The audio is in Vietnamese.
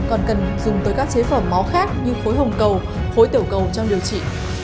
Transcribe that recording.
còn cần dùng tới các chế phẩm máu khác như khối hồng cầu khối tiểu cầu trong điều trị